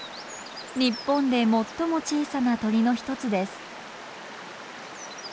日本で最も小さな鳥の一つです。